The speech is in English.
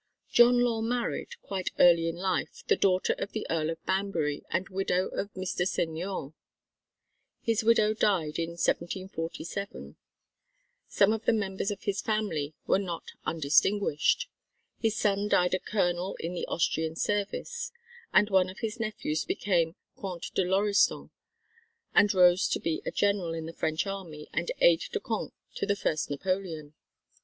John Law married, quite early in life, the daughter of the Earl of Banbury and widow of Mr. Seignior. His widow died in 1747. Some of the members of his family were not undistinguished; his son died a Colonel in the Austrian service; and one of his nephews became Comte de Lauriston and rose to be a General in the French army and Aide de Camp to the first Napoleon.